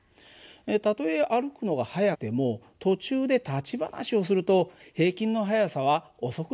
たとえ歩くのが速くても途中で立ち話をすると平均の速さは遅くなるよね。